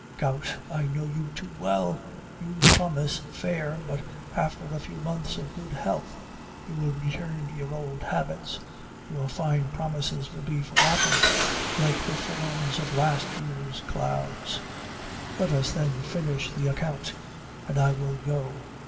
GOUT. I know you too well. You promise fair; but, after a few months of good health, you will return to your old habits; your fine promises will be forgotten like the forms of the last year's clouds. Let us then finish the account, and I will go.